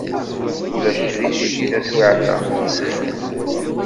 Ulac trisiti taswiɛt-a.